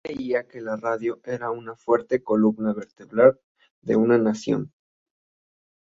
Él creía que la radio era una fuerte columna vertebral de una nación.